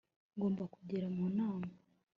ngomba kugera mu nama